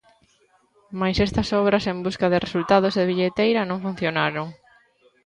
Mais estas obras en busca de resultados de billeteira non funcionaron.